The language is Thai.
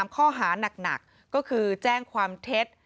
ข้อหานักก็คือแจ้งความเท็จ